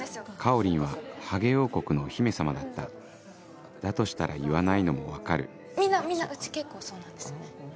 おりんはハゲ王国のお姫様だっただとしたら言わないのも分かるみんなうち結構そうなんですよね。